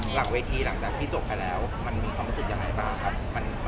หลังเวทีหลังจากที่จบไปแล้วมันมีความรู้สึกยังไงบ้างครับ